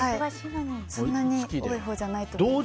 そんなに多いほうじゃないと思いますけど。